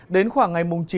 đến khoảng ngày mùng chín